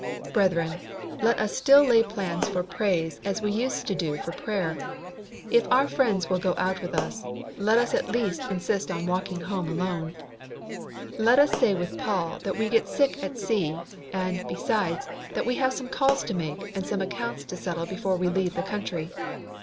Brethren, let us still lay plans for praise as we used to do for prayer. If our friends will go out with us, let us at least insist on walking home alone. Let us say with Paul that we get sick at sea; and, besides, that we have some calls to make and some small accounts to settle before we leave the country.